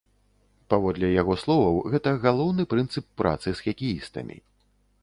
Паводле яго словаў, гэта галоўны прынцып працы з хакеістамі.